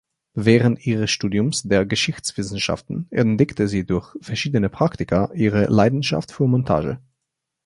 Während ihres Studiums der Geschichtswissenschaften entdeckte sie durch verschiedene Praktika ihre Leidenschaft für Montage.